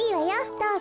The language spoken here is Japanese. どうぞ。